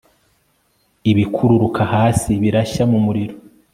ibikururuka hasi birashya mu muriro